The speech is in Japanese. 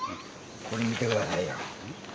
これ見てくださいよ。